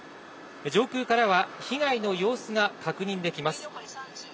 上空からは被害の様子が確認できます。